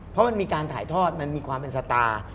เพราะมันมีการถ่ายทอดมันมีความเป็นสตาร์